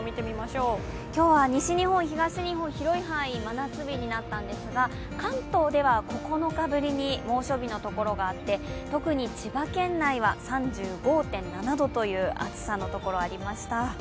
今日は西日本、東日本、広い範囲真夏日になったんですが関東では９日ぶりに猛暑日の所があって特に千葉県内は３５．７度という暑さのところがありました。